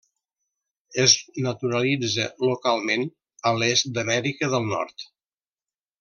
Es naturalitza localment a l'est d'Amèrica del Nord.